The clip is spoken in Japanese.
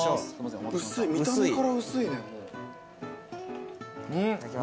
見た目から薄いねもう。